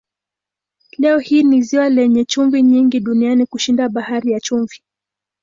Leo hii ni ziwa lenye chumvi nyingi duniani kushinda Bahari ya Chumvi.